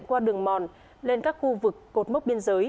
qua đường mòn lên các khu vực cột mốc biên giới